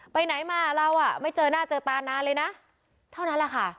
ไปไหนมาเราอ่ะไม่เจอหน้าเจอตานานเลยนะเท่านั้นแหละค่ะ